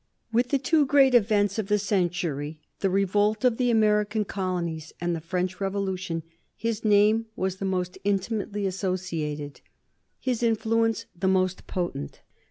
With the two great events of the century the revolt of the American colonies and the French Revolution his name was the most intimately associated, his influence the most potent.